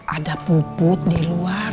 ada puput di luar